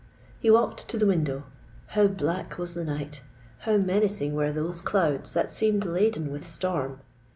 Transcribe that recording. He walked to the window:—how black was the night—how menacing were those clouds that seemed laden with storm!